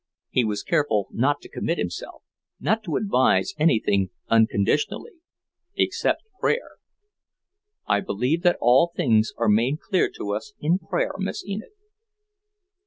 He was careful not to commit himself, not to advise anything unconditionally, except prayer. "I believe that all things are made clear to us in prayer, Miss Enid."